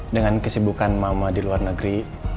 dengan kesibukan mama di luar negeri